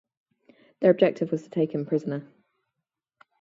Their objective was to take him prisoner.